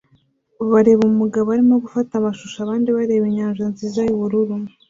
bareba umugabo arimo gufata amashusho abandi bareba inyanja nziza yubururu